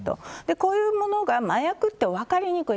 こういうものが麻薬って分かりにくい。